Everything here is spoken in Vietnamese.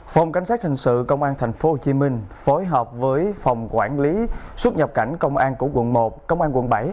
phòng cảnh sát hình sự công an tp hcm phối hợp với phòng quản lý xuất nhập cảnh công an của quận một công an quận bảy